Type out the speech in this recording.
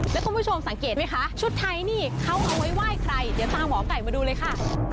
แล้วคุณผู้ชมสังเกตไหมคะชุดไทยนี่เขาเอาไว้ไหว้ใครเดี๋ยวตามหมอไก่มาดูเลยค่ะ